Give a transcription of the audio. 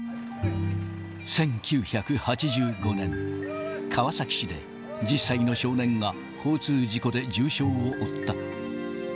１９８５年、川崎市で１０歳の少年が交通事故で重傷を負った。